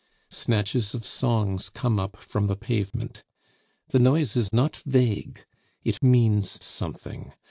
Snatches of songs come up from the pavement. The noise is not vague; it means something.